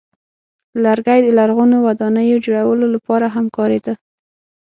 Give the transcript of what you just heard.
لرګی د لرغونو ودانیو جوړولو لپاره هم کارېده.